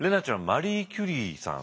マリー・キュリーさん